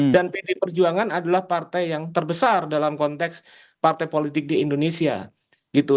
dan pdi perjuangan adalah partai yang terbesar dalam konteks partai politik di indonesia gitu